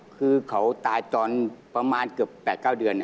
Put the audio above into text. คือเขาตายตอนประมาณเกือบ๘๙เดือน